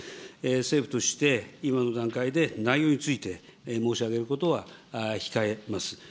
政府として、今の段階で内容について申し上げることは控えます。